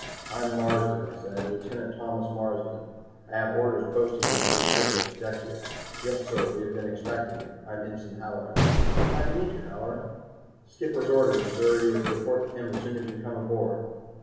"I'm Marsden," I said. "Lieutenant Thomas Marsden. I have orders posting me to this ship as Executive." "Yes, sir. We have been expecting you. I'm Ensign Halloran." "Glad to meet you, Halloran." "Skipper's orders, sir. You are to report to him as soon as you come aboard."